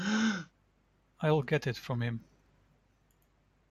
I'll get it from him.